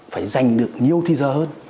phải dành được nhiều thi giờ hơn